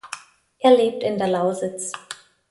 Er lebt in der Lausitz.